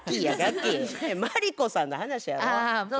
マリコさんの話やろ？